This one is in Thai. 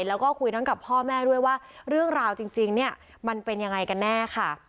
แล้วก็คุยทั้งกับพ่อแม่ด้วยว่าเรื่องราวจริงเนี่ยมันเป็นยังไงกันแน่ค่ะ